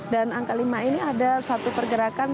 dan angka lima ini ada satu pergerakan